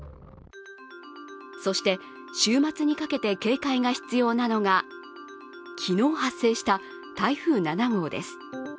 そして、週末にかけて警戒が必要なのが昨日、発生した台風７号です。